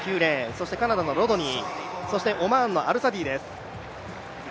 そしてカナダのロドニー、そしてオマーンのアルサディです。